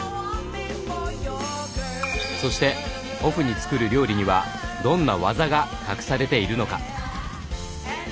そしてオフに作る料理にはどんな技が隠されているのか？